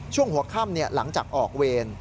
ช่วงหัวค่ำหลังจากออกเวร